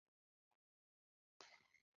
你上路之后再说